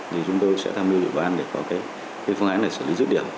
thì chúng tôi sẽ tham lưu địa bàn để có cái phương án để xử lý dứt điểm